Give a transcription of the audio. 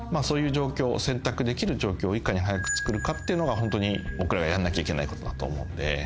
そういう状況選択できる状況をいかに早くつくるかっていうのがホントに僕らがやんなきゃいけないことだと思うんで。